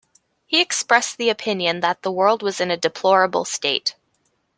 He expressed the opinion that the world was in a deplorable state.